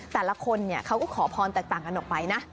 แต่ละคนเขาก็ขอพรแตกต่างกันออกไปนะ